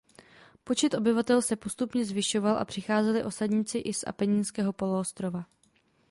Počet obyvatel se postupně zvyšoval a přicházeli osadníci i z Apeninského poloostrova.